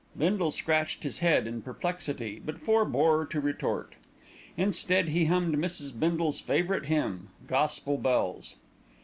Bindle scratched his head in perplexity, but forbore to retort; instead he hummed Mrs. Bindle's favourite hymn "Gospel Bells."